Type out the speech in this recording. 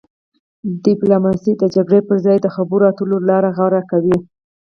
ډیپلوماسي د جګړې پر ځای د خبرو اترو لاره غوره کوي.